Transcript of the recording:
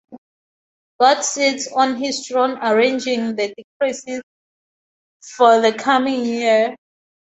God sits on his throne arranging the decrees for the coming year.